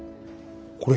これ。